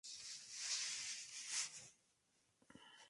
Shannon Rutherford muere en la segunda temporada.